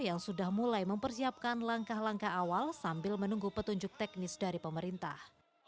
yang sudah mulai mempersiapkan langkah langkah awal sambil menunggu petunjuk teknis dari pemerintah